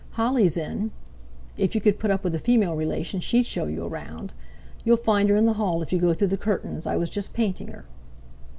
"Holly's in—if you could put up with a female relation, she'd show you round. You'll find her in the hall if you go through the curtains. I was just painting her."